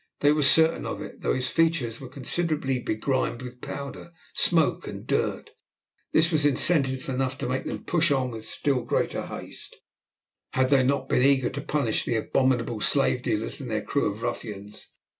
They were certain of it, though his features were considerably begrimed with powder, smoke, and dirt. This was incentive enough to make them push on with still greater haste, had they not been eager to punish the abominable slave dealers and their crew of ruffians.